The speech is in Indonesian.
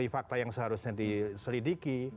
atau ada fakta yang seharusnya diselidiki